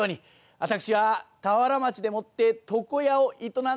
私は田原町でもって床屋を営んでる者でございます。